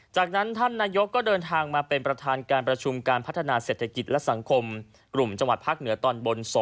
จากนั้นท่านนายกก็เดินทางมาเป็นประธานการประชุมการพัฒนาเศรษฐกิจและสังคมกลุ่มจังหวัดภาคเหนือตอนบน๒